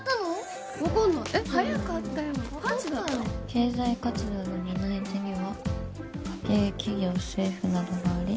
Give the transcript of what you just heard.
「経済活動の担い手には家計企業政府などがあり」。